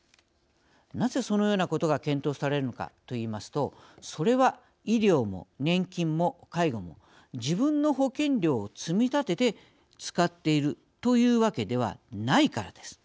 なぜそのようなことが検討されるのかと言いますとそれは医療も年金も介護も自分の保険料を積み立てて使っているというわけではないからです。